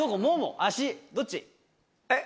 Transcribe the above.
どっち？